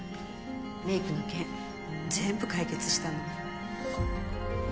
メイクの件全部解決したの。